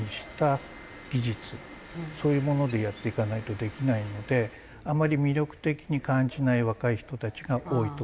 技術そういうものでやっていかないとできないのであんまり魅力的に感じない若い人たちが多いと思います。